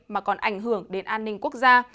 mà còn ảnh hưởng đến an ninh quốc gia